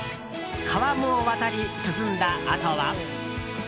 川面を渡り、涼んだあとは。